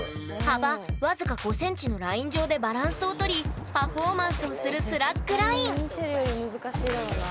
幅僅か５ｃｍのライン上でバランスを取りパフォーマンスをする「スラックライン」見てるより難しいだろうな。